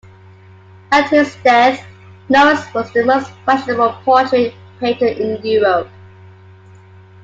At his death, Lawrence was the most fashionable portrait painter in Europe.